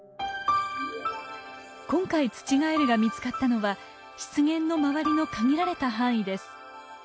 今回ツチガエルが見つかったのは湿原の周りの限られた範囲です。